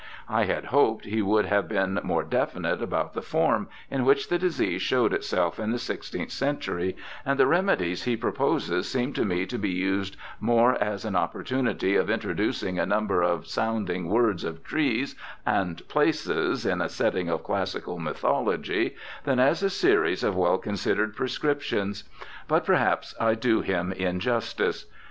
I had hoped he would have been more definite about the form in which the disease showed itself in the sixteenth century, and the remedies he proposes seem to me to be used more as an oppor tunity of introducing a number of sounding words of trees and places in a setting of classical mythology than as a series of well considered prescriptions. But per haps I do him injustice.